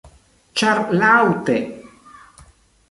Ĉar Laŭte!